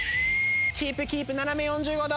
キープキープ斜め４５度。